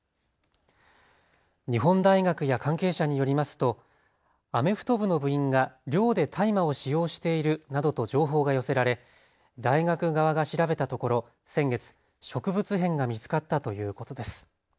日本大学や関係者によりますとアメフト部の部員が寮で大麻を使用しているなどと情報が寄せられ大学側が調べたところ先月、植物片が見つかったということです。